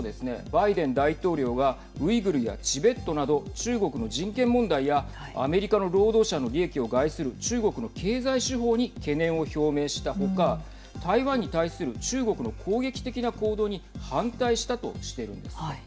バイデン大統領がウイグルやチベットなど中国の人権問題やアメリカの労働者の利益を害する中国の経済手法に懸念を表明した他台湾に対する中国の攻撃的な行動に反対したとしてるんです。